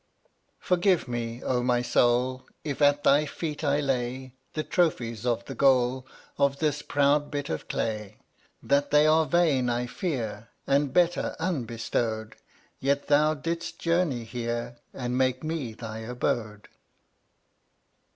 107 Forgive me, O my Soul, If at thy feet I lay The trophies of the goal Of this proud bit of clay. That they are vain I fear, And better unbestowed, Yet thou didst journey here And made me thy abode.